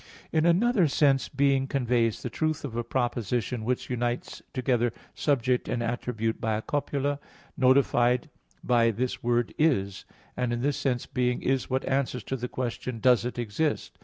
In another sense being conveys the truth of a proposition which unites together subject and attribute by a copula, notified by this word "is"; and in this sense being is what answers to the question, "Does it exist?"